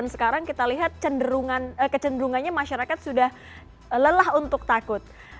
sekarang kita lihat kecenderungannya masyarakat sudah lelah untuk takut